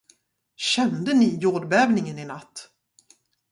Kände ni jordbävningen inatt?